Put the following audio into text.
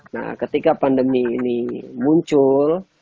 nah ketika pandemi ini muncul